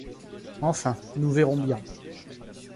Enfin, nous verrons bien.